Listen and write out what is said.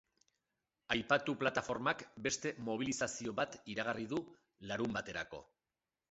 Aipatu plataformak beste mobilizazio bat iragarri du larunbaterako.